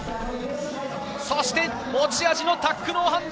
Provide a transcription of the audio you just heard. そして持ち味のタックノーハンド！